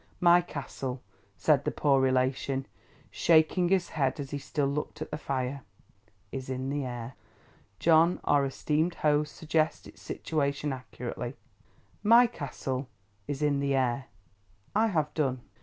My Castle," said the poor relation, shaking his head as he still looked at the fire, "is in the Air. John our esteemed host suggests its situation accurately. My Castle is in the Air! I have done.